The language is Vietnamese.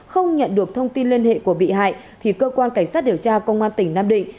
không nhận được thông tin liên hệ của bị hại thì cơ quan cảnh sát điều tra công an tỉnh nam định